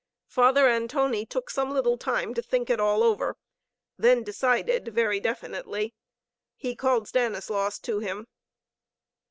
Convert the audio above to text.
Father Antoni took some little time to think it all over, then decided very definitely. He called Stanislaus to him.